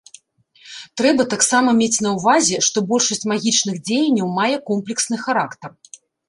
Трэба таксама мець на ўвазе, што большасць магічных дзеянняў мае комплексны характар.